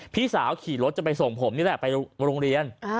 พี่สาวขี่รถจะไปส่งผมนี่แหละไปโรงเรียน